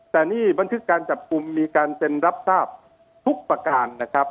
แต่นี่บันทึกการจับกลุ่มมีการเซ็นรับทราบทุกประการนะครับ